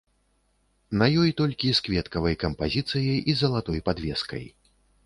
На ёй толькі з кветкавай кампазіцыяй і залатой падвескай.